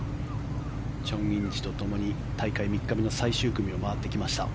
チョン・インジとともに大会３日目の最終組を回ってきました。